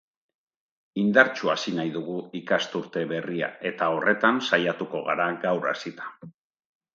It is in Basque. Indartsu hasi nahi dugu ikasturte berria eta horretan saiatuko gara gaur hasita.